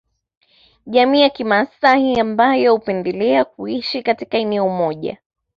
Jamii ya kimasai ambayo hupendelea kuishi katika eneo moja